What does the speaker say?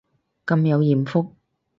咁有艷福